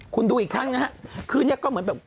คุณดูอีกครั้งนะฮะคืนนี้ก็เหมือนแบบ